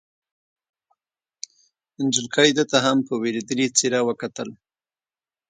نجلۍ ده ته هم په وېرېدلې څېره وکتل.